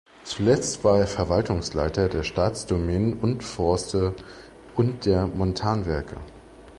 Zuletzt war er Verwaltungsleiter der Staatsdomänen und -forste und der Montanwerke.